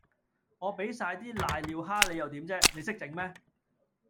我畀曬啲攋尿蝦你又點啫，你識整咩